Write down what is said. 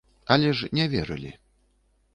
Але ж не верылі.